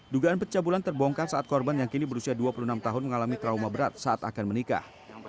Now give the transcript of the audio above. dugaan pencabulan terbongkar saat korban yang kini berusia dua puluh enam tahun mengalami trauma berat saat akan menikah